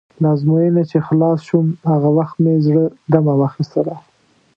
له ازموینې چې خلاص شوم، هغه وخت مې زړه دمه واخیستله.